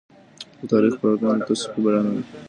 د تاريخ پوه کړنلاره توصيفي بڼه لري.